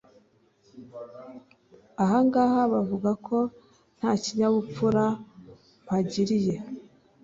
aha ngaha bavuga ko nta kinyabupfura mpagiriye.